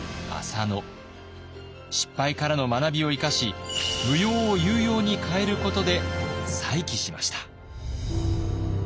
失敗からの学びを生かし無用を有用に変えることで再起しました。